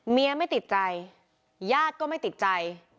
ไม่ติดใจญาติก็ไม่ติดใจ